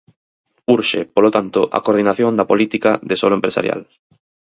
Urxe, polo tanto, a coordinación da política de solo empresarial.